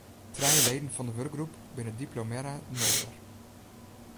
Trije leden fan de wurkgroep binne diplomearre moolder.